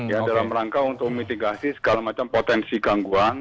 ya dalam rangka untuk memitigasi segala macam potensi gangguan